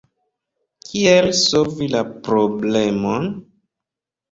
Kiel solvi la problemon?